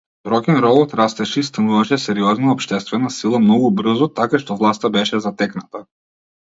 Рокенролот растеше и стануваше сериозна општествена сила многу брзо, така што власта беше затекната.